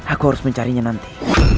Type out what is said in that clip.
aku harus mencarinya nanti